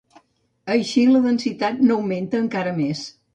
Així, la densitat n'augmenta encara més.